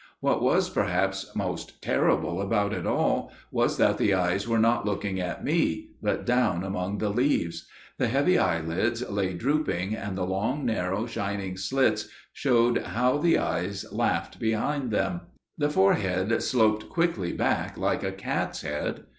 What was perhaps most terrible about it all was that the eyes were not looking at me, but down among the leaves; the heavy eyelids lay drooping, and the long, narrow, shining slits showed how the eyes laughed beneath them. The forehead sloped quickly back, like a cat's head.